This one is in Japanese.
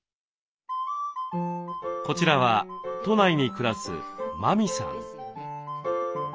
こちらは都内に暮らす麻美さん。